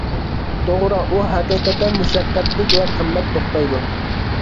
توغرا، ئۇ ھەقىقەتەن مۇشەققەتلىك ۋە قىممەت توختايدۇ.